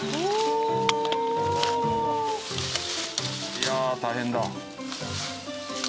いや大変だ。